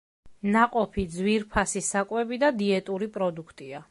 ნაყოფი ძვირფასი საკვები და დიეტური პროდუქტია.